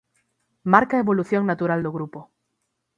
Marca a evolución natural do grupo.